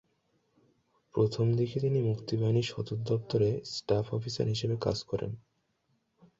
প্রথম দিকে তিনি মুক্তিবাহিনীর সদর দপ্তরে স্টাফ অফিসার হিসেবে কাজ করেন।